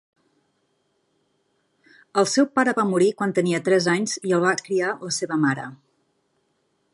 El seu pare va morir quan tenia tres anys i el va criar la seva mare.